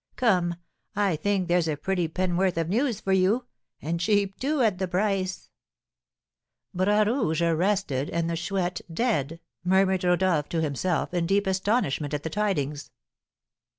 Come, I think there's a pretty penn'orth of news for you, and cheap, too, at the price!" "Bras Rouge arrested and the Chouette dead!" murmured Rodolph to himself, in deep astonishment at the tidings.